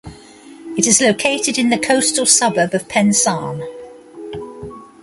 It is located in the coastal suburb of Pensarn.